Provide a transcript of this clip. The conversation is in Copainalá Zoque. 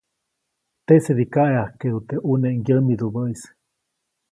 Teʼsedi kaʼeʼajkeʼdu teʼ ʼune ŋgyämidubäʼis.